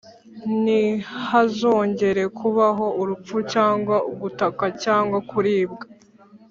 Ntihazongera kubaho urupfu cyangwa gutaka cyangwa kuribwa